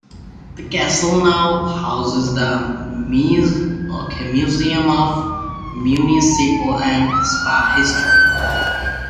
The castle now houses the Museum of Municipal and Spa History.